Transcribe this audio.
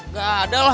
ya gak ada lah